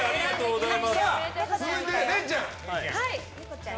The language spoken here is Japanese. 続いて、れいちゃん。